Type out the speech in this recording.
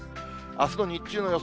あすの日中の予想